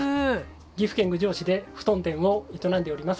岐阜県郡上市で布団店を営んでおります。